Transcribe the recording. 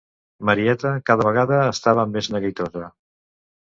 Marieta cada vegada estava més neguitosa.